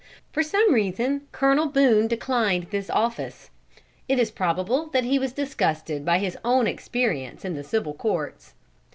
For some reason Colonel Boone declined this office. It is probable that he was disgusted by his own experience in the civil courts.